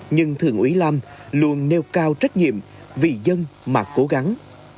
nhưng thường ủy lam luôn nêu cao trách nhiệm vì dân mà cố gắng